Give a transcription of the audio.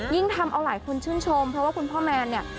ทำเอาหลายคนชื่นชมเพราะว่าคุณพ่อแมนเนี่ย